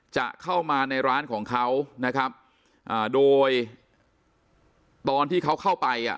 จะเข้ามาในร้านของเขาโดยตอนที่เขาเข้าไป